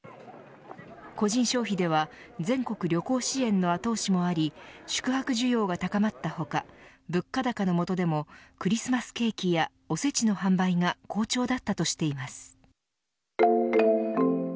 個人消費では全国旅行支援の後押しもあり宿泊需要が高まった他物価高のもとでもクリスマスケーキやおせちの販売が好調だったとしています。